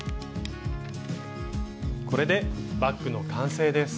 これでバッグの完成です。